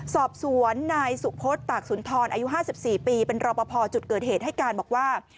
สอบสวนนายสุพศตากสุนทรอายุ๕๔ปีเป็นรอปภจุดเกิดเหตุให้การบอกว่า